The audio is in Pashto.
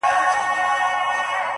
په سیوري پسي پل اخلي رازونه تښتوي-